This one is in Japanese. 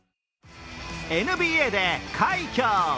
ＮＢＡで快挙。